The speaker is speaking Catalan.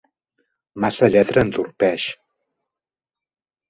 Massa lletra entorpeix.